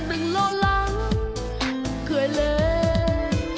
đừng lo lắng cười lên